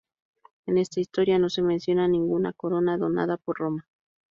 En esta historia no se menciona ninguna corona donada por Roma.